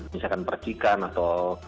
misalkan percikan atau